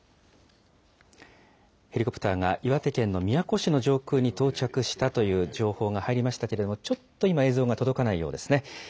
ヘリコプターが岩手県の宮古市の上空に到着したという情報が入りましたけれども、ちょっと今、映像が届かないようですね。